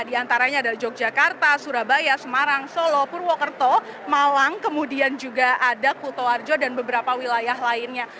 di antaranya ada yogyakarta surabaya semarang solo purwokerto malang kemudian juga ada kutoarjo dan beberapa wilayah lainnya